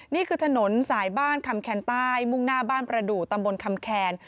นี่คือถนนสายบ้านคำแคนใต้มุ่งหน้าบ้านประดูกตำบลคำแคน